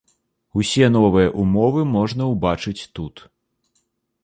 Усе новыя ўмовы можна ўбачыць тут.